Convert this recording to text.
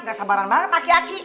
gak sabaran banget aki aki